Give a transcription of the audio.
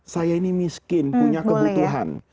saya ini miskin punya kebutuhan